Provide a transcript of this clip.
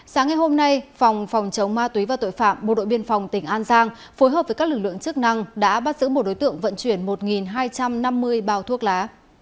sáng ngày hôm nay phòng phòng chống ma túy và tội phạm bộ đội biên phòng tỉnh an giang phối hợp với các lực lượng chức năng đã bắt giữ một đối tượng vận chuyển một hai trăm năm mươi bao thuốc lá